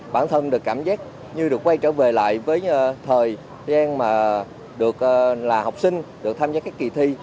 bản thân được cảm giác như được quay trở về lại với thời gian mà được là học sinh được tham gia các kỳ thi